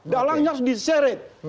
dalamnya harus diseret